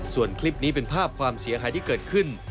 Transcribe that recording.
ส่วนคลิปนี้เป็นภาพความเสียหายที่เกิดขึ้น